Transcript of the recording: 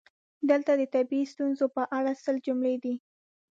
دلته د طبیعي ستونزو په اړه سل جملې دي: